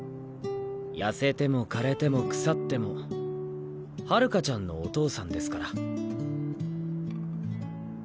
やせても枯れても腐っても春夏ちゃんのお父さんですから。